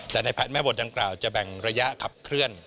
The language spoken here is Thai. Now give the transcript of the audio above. แต่ในแผนแม่บทดังกล่าวจะแบ่งระยะขับเคลื่อน